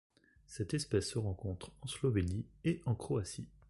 Cette espèce se rencontre en Slovénie et en Croatie.